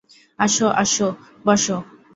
আসো আসো, বসো।